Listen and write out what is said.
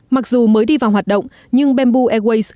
mặc dù mới đi vào hoạt động nhưng bamboo airways